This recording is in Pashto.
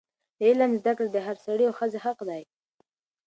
د علم زده کړه د هر سړي او ښځې حق دی.